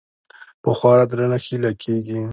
په خورا درنښت هيله کيږي